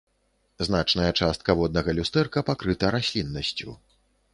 Значная частка воднага люстэрка пакрыта расліннасцю.